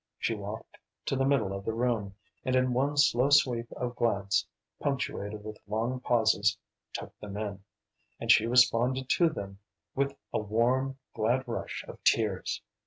She walked to the middle of the room, and in one slow sweep of glance, punctuated with long pauses, took them in. And she responded to them with a warm, glad rush of tears.